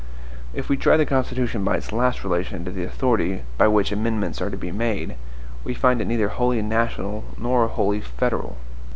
If we try the Constitution by its last relation to the authority by which amendments are to be made, we find it neither wholly NATIONAL nor wholly FEDERAL.